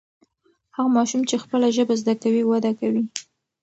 هغه ماشوم چې خپله ژبه زده کوي وده کوي.